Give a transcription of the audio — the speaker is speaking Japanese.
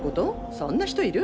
そんな人いる？